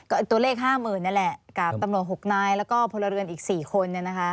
อ่าก็ตัวเลขห้าหมื่นนั่นแหละกับตำรวจหกนายแล้วก็พลเรือนอีกสี่คนเนี่ยนะคะ